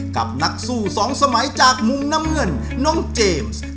กับนักสู้สองสมัยจากมุมน้ำเงินน้องเจมส์